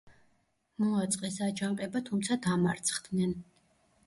მოაწყეს აჯანყება, თუმცა დამარცხდნენ.